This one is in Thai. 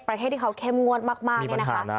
ประเทศที่เขาเข้มงวดมากเนี่ยนะคะ